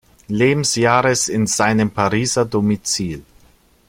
Lebensjahres in seinem Pariser Domizil.